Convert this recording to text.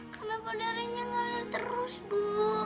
kenapa darahnya nggak keluar terus bu